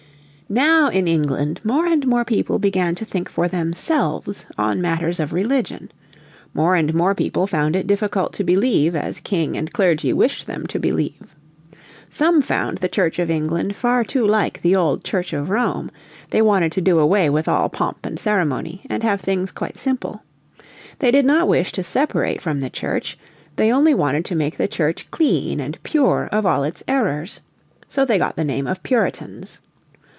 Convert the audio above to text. Now in England more and more people began to think for themselves on matters of religion. More and more people found it difficult to believe as King and Clergy wished them to believe. Some found the Church of England far too like the old Church of Rome. They wanted to do away with all pomp and ceremony and have things quite simple. They did not wish to separate from the Church; they only wanted to make the Church clean and pure of all its errors. So they got the name of Puritans.